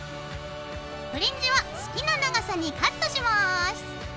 フリンジは好きな長さにカットします。